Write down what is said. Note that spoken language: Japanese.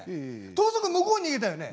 盗賊向こうに逃げたよね？